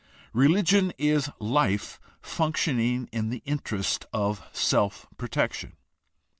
Religion is life functioning in the interest of self protection.